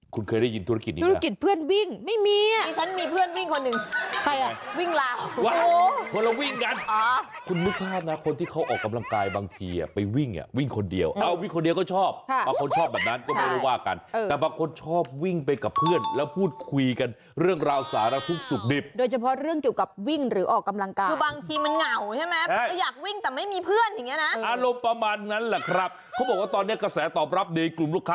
คุณเคยได้ยินธุรกิจนี้เหรอธุรกิจเพื่อนวิ่งไม่มีอ่ะ